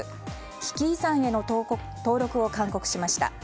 危機遺産への登録を勧告しました。